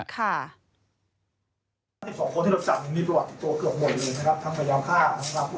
แต่คนเกินครึ่งเลยนะครับ